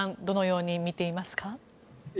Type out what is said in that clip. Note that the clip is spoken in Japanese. どのように見ていますか？